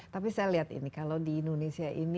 tapi saya lihat ini kalau di indonesia ini